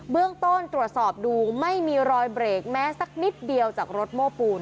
เรื่องต้นตรวจสอบดูไม่มีรอยเบรกแม้สักนิดเดียวจากรถโม้ปูน